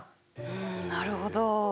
んなるほど。